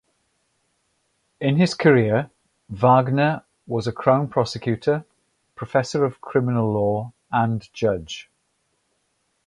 In his career, Wagner was a Crown prosecutor, professor of criminal law and judge.